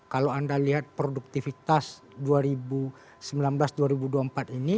kalau anda lihat produktivitas dua ribu sembilan belas dua ribu dua puluh empat ini